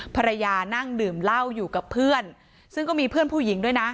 ภรรยานั่งดื่มเหล้าอยู่กับเพื่อนซึ่งก็มีเพื่อนผู้หญิงด้วยนะ